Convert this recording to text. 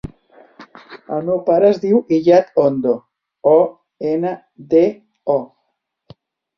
El meu pare es diu Iyad Ondo: o, ena, de, o.